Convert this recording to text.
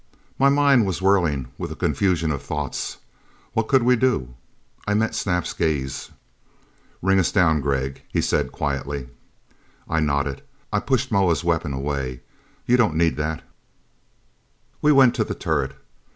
My mind was whirling with a confusion of thoughts. What could we do? I met Snap's gaze. "Ring us down, Gregg," he said quietly. I nodded. I pushed Moa's weapon away. "You don't need that " We went to the turret.